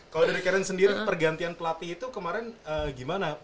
kalau dari karen sendiri pergantian pelatih itu kemarin gimana